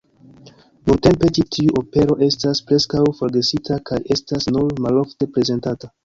Nuntempe ĉi tiu opero estas preskaŭ forgesita kaj estas nur malofte prezentata.